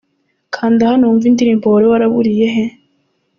Kanda hano wumve indirimbo Wari waraburiye he?.